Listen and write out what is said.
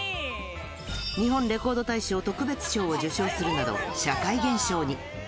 日本レコード大賞特別賞を受賞するなど、社会現象に。